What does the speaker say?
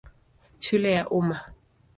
Shule ya Umma.